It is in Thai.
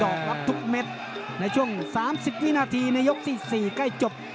ทุกดอกทุกเม็ดในช่วง๓๐นาทีในยุค๔๔ใกล้จบ